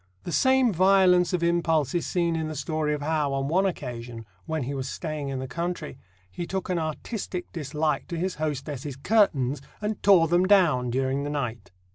The same violence of impulse is seen in the story of how, on one occasion, when he was staying in the country, he took an artistic dislike to his hostess's curtains, and tore them down during the night.